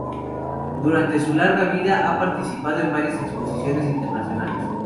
Durante su larga vida ha participado en varias exposiciones internacionales.